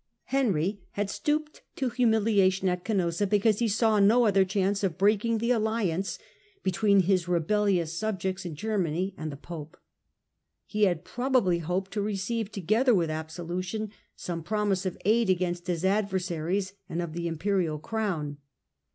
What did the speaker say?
Henry had stooped to humiliation at Canossa Keeuitg of because he saw no other chance of breaking at omossa^^ the alliance between his rebellious subjects in Germany and the pope. He had probably hoped to receive, together with absolution, some promise of aid against his adversaries and of the imperial crown.